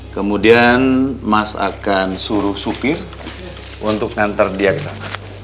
kemudian mas akan suruh supir untuk nganter dia ke dalam